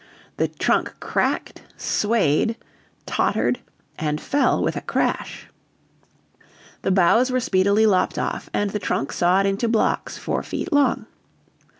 The trunk cracked, swayed, tottered, and fell with a crash. The boughs were speedily lopped off, and the trunk sawed into blocks four feet long.